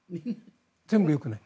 全部よくない。